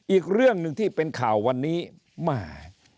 อีกเรื่องหนึ่งที่เป็นข่าววันนี้แหม